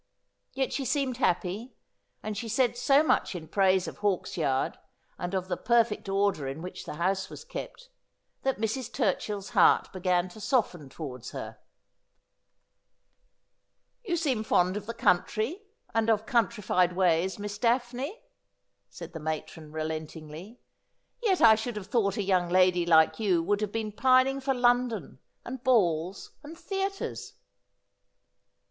Yet she seemed happy, and she said so much in praise of Hawksyard and of the perfect order in which the house was kept, that Mrs. Turchill's heart began to soften towards her. 'Love is a Thing, as any Spirit, Free.^ 161 ' YoTi seem fond of the country, and of countrified ways, Miss Daphne, said the matron relentingly. ' Yet I should have thought a young lady like you would have been pining for Lon don, and balls and theatres.'